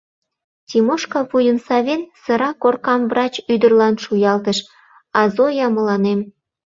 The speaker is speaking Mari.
Тимошка, вуйым савен, сыра коркам врач ӱдырлан шуялтыш, а Зоя — мыланем.